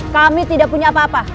kami tidak punya apa apa